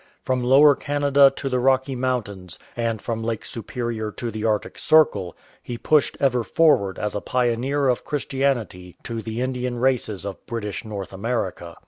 From Lower Canada to the Rocky Mountains, and from Lake Superior to the Arctic Circle, he pushed ever forward as a pioneer of Christianity to the Indian races of British North America.